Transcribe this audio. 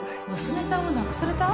娘さんを亡くされた？